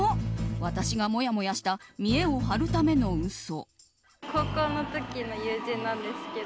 私がもやもやした見栄を張るための嘘。